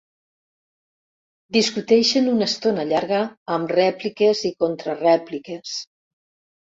Discuteixen una estona llarga, amb rèpliques i contrarèpliques.